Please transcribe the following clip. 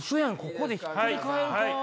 ここでひっくり返るか？